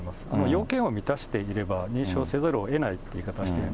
要件を満たしていれば、認証せざるをえないという言い方をしている。